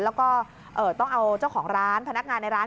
แล้วก็ต้องเอาเจ้าของร้านพนักงานในร้าน